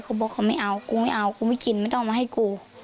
เขาบอกเขาไม่เอากูไม่เอากูไม่กินไม่ต้องเอามาให้กู